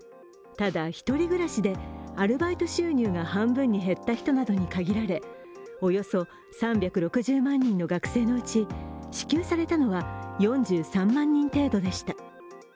ただ１人暮らしでアルバイト収入が半分に減った人などに限られおよそ３６０万人の学生のうち支給されたのは４３万人程度でした。